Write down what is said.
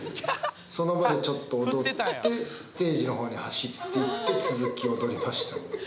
その場でちょっと踊ってステージの方に走っていって続き踊りましたね。